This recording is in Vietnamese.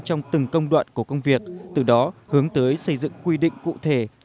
trong từng công đoạn của công việc từ đó hướng tới xây dựng quy định cụ thể